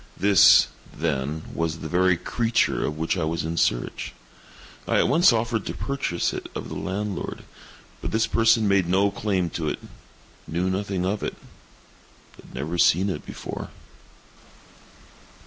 This, then, was the very creature of which I was in search. I at once offered to purchase it of the landlord; but this person made no claim to it—knew nothing of it—had never seen it before.